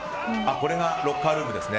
これがロッカールームですね。